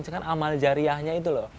itu kan amal jariahnya itu loh